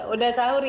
udah sahur ya